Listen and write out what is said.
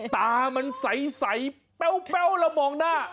ตามันใสแป้วแล้วมองหน้า